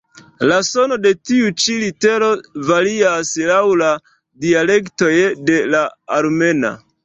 La sono de tiu ĉi litero varias laŭ la dialektoj de la armena.